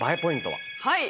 はい。